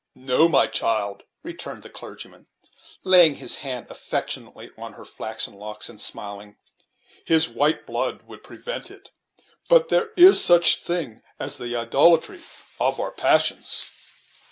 "No, my child," returned the clergyman, laying his hand affectionately on her flaxen locks, and smiling; "his white blood would prevent it; but there is such a thing as the idolatry of our passions."